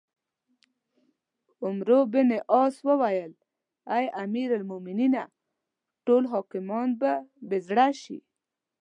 عمروبن عاص وویل: اې امیرالمؤمنینه! ټول حاکمان به بې زړه شي.